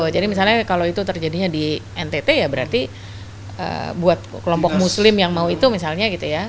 jadi misalnya kalau itu terjadinya di ntt ya berarti buat kelompok muslim yang mau itu misalnya gitu ya